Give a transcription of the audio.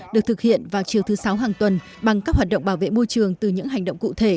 được thực hiện vào chiều thứ sáu hàng tuần bằng các hoạt động bảo vệ môi trường từ những hành động cụ thể